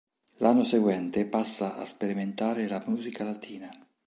L'anno seguente passa a sperimentare la musica latina.